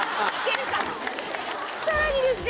さらにですね